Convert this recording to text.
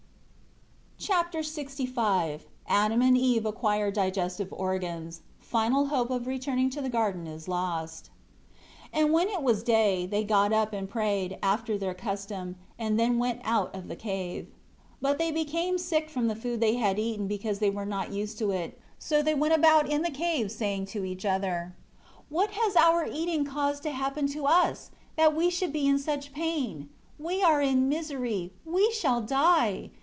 Chapter LXV Adam and Eve acquire digestive organs. Final hope of returning to the Garden is lost. 1 And when it was day, they got up and prayed, after their custom, and then went out of the cave. 2 But they became sick from the food they had eaten because they were not used to it, so they went about in the cave saying to each other: 3 "What has our eating caused to happen to us, that we should be in such pain? We are in misery, we shall die!